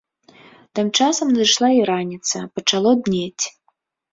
Тым часам надышла і раніца, пачало днець.